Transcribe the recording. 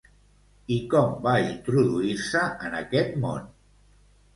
I com va introduir-se en aquest món?